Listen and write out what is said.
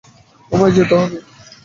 আমায় যেতে হবে।